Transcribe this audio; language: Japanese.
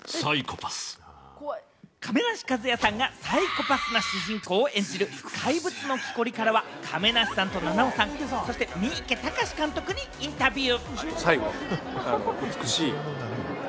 亀梨和也さんがサイコパスな主人公を演じる『怪物の木こり』からは、亀梨さんと菜々緒さん、そして三池崇史監督にインタビュー。